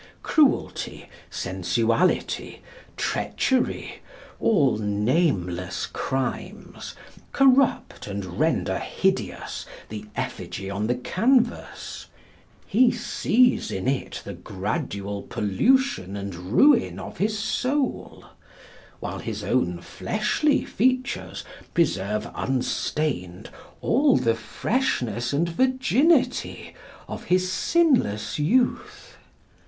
Cruelty sensuality, treachery, all nameless crimes, corrupt and render hideous the effigy on the canvas; he sees in it the gradual pollution and ruin of his soul, while his own fleshly features preserve unstained all the freshness and virginity of his sinless youth.